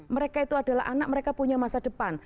mereka itu adalah anak mereka punya masa depan